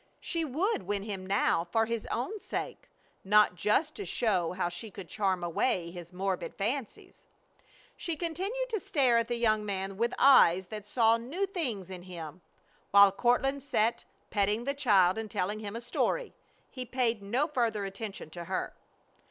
She would win him now for his own sake, not just to show how she could charm away his morbid fancies. She continued to stare at the young man with eyes that saw new things in him, while Courtland sat petting the child and telling him a story. He paid no further attention to her.